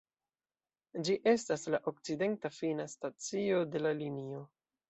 Ĝi estas la okcidenta fina stacio de la linio.